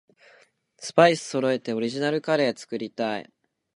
スパイスそろえてオリジナルカレー作りたい